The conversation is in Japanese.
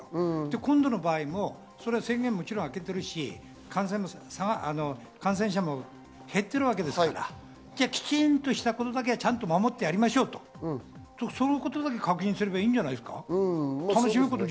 今度の場合ももちろん宣言明けてるし、感染者も減ってるわけですから、きちんとしたことだけは守ってやりましょうと、そこを確認すればいいんじゃないんですか。